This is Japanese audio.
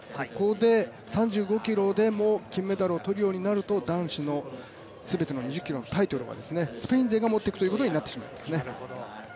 ここで、３５ｋｍでも金メダルを取るようになると男子の全てのタイトルはスペイン勢が持って行くということになってしまいますね。